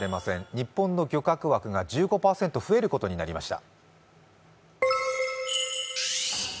日本の漁獲枠が１５％増えることになりました。